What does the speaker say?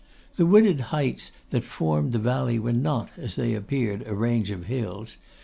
The wooded heights that formed the valley were not, as they appeared, a range of hills.